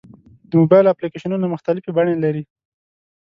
د موبایل اپلیکیشنونه مختلفې بڼې لري.